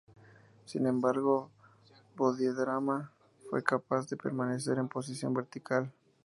Sin embargo, Bodhidharma fue capaz de permanecer en posición vertical.